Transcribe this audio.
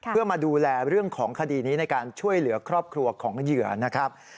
เพื่อมาดูแลเรื่องของคดีนี้ในการช่วยเหลือครอบครัวของเหยื่อนะครับ